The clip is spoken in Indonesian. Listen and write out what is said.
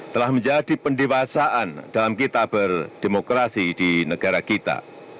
telah menjadi pendewasaan dalam kita berdemokrasi di negara kita